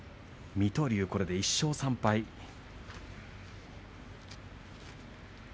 水戸龍は、これで１勝３敗です。